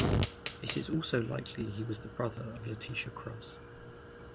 It is also likely he was the brother of Letitia Cross.